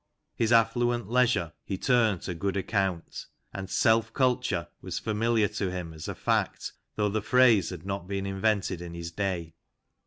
His affluent leisure he turned to good account ; and " self culture " was familiar to him as a fact, though the phrase had not been invented in his day.